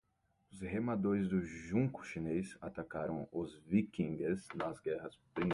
Os remadores do junco chinês atacaram os viquingues nas Guerras Púnicas